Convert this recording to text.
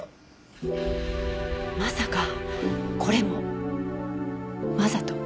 まさかこれもわざと？